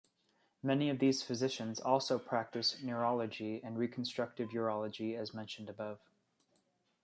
Many of these physicians also practice neurourology and reconstructive urology as mentioned above.